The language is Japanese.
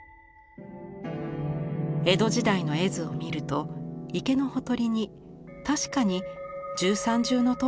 江戸時代の絵図を見ると池のほとりに確かに十三重塔が描かれています。